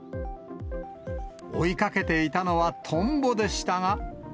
追いかけていたのはトンボでしたが。